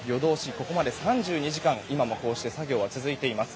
ここまで３２時間今もこうして作業は続いています。